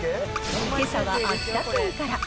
けさは秋田県から。